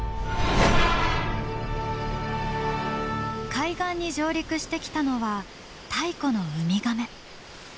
海岸に上陸してきたのは太古のウミガメ。